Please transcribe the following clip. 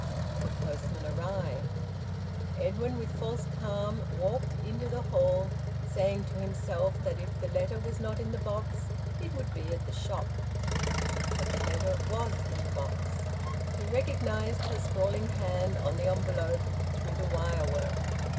The postman arrived. Edwin with false calm walked into the hall, saying to himself that if the letter was not in the box it would be at the shop. But the letter was in the box. He recognised her sprawling hand on the envelope through the wirework.